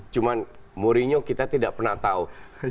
cuma mourinho kita tidak pernah tahu